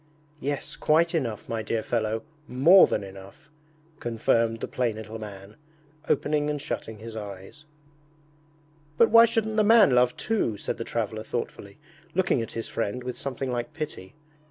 'Yes, quite enough, my dear fellow, more than enough!' confirmed the plain little man, opening and shutting his eyes. 'But why shouldn't the man love too?' said the traveller thoughtfully, looking at his friend with something like pity.